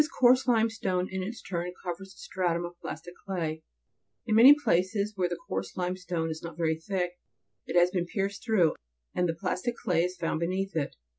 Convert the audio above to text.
coarse limestone in its turn covers a stratum of plastic clay ; in many places where the coarse limestone is not very thick, it has been pierced through, and the plastic clay found beneath it.